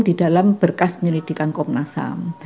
di dalam berkas penyelidikan komnas ham